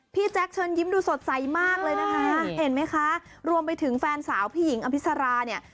แจ๊คเชิญยิ้มดูสดใสมากเลยนะคะเห็นไหมคะรวมไปถึงแฟนสาวพี่หญิงอภิษราเนี่ย